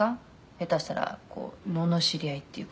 「下手したらこう罵り合いっていうか」